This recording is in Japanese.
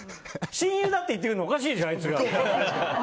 親友だって言ってるのおかしいでしょ、あいつが。